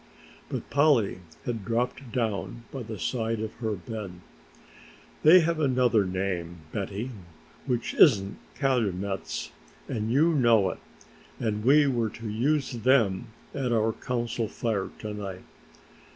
But Polly had dropped down by the side of her bed. "They have another name, Betty, which isn't calumets and you know it, and we were to use them at our Council Fire to night.